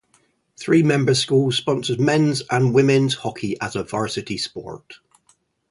Three member schools sponsor men's and women's hockey as a varsity sport.